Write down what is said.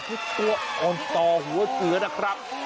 ที่ตัวอ่อนตองหัวเสือนครับ